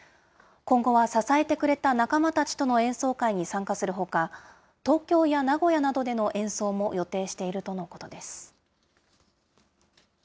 今後は支えてくれた仲間たちとの演奏会に参加するほか、東京や名古屋などでの演奏も予定しているとのことです。